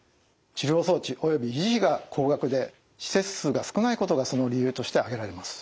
治療装置および維持費が高額で施設数が少ないことがその理由として挙げられます。